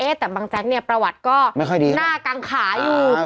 เอ๊ะแต่บางแจ๊กเนี่ยประวัติก็หน้ากลางขาอยู่